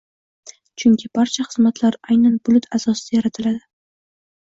Chunki barcha xizmatlar aynan bulut asosida yaratiladi